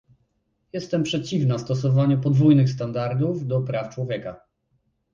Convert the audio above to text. Jestem przeciwna stosowaniu podwójnych standardów do praw człowieka